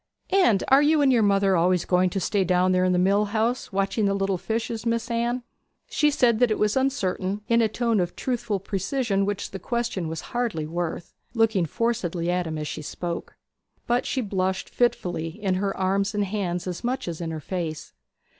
'And are you and your mother always going to stay down there in the mill house watching the little fishes, Miss Anne?' She said that it was uncertain, in a tone of truthful precision which the question was hardly worth, looking forcedly at him as she spoke. But she blushed fitfully, in her arms and hands as much as in her face.